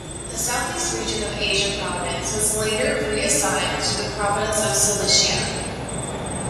The southeast region of Asia province was later reassigned to the province of Cilicia.